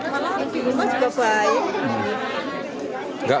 malah di rumah juga baik